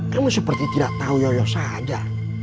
kamu seperti tidak tahu yoyo saja